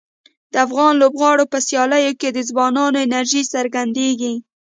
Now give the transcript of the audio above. د افغان لوبغاړو په سیالیو کې د ځوانانو انرژي څرګندیږي.